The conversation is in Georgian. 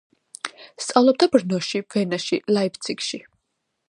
სწავლობდა ბრნოში, ვენაში, ლაიფციგში.